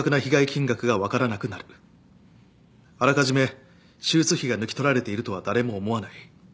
あらかじめ手術費が抜き取られているとは誰も思わない。